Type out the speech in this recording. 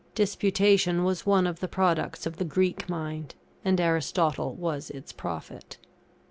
Disputation was one of the products of the Greek mind; and Aristotle was its prophet.